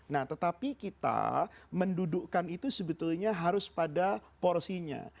nah tetapi kita mendudukkan itu sebetulnya harus pada porsinya